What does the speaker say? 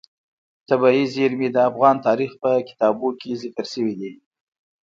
طبیعي زیرمې د افغان تاریخ په کتابونو کې ذکر شوی دي.